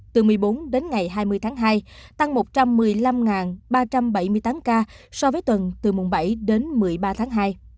từ một mươi bốn đến ngày hai mươi tháng hai tăng một trăm một mươi năm ba trăm bảy mươi tám ca so với tuần từ mùng bảy đến một mươi ba tháng hai